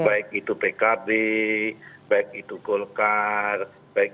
kalau mereka most topping masjid baptista dengan bastard iceberg